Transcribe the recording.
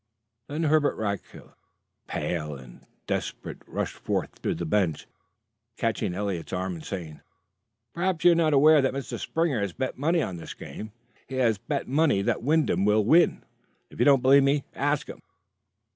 Then Herbert Rackliff, pale and desperate, rushed forth to the bench, catching Eliot's arm and saying: "Perhaps you're not aware that Mr. Springer has bet money on this game. He has bet money that Wyndham will win. If you don't believe me, ask him."